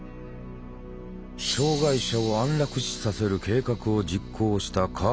障害者を安楽死させる計画を実行したカール・ブラント。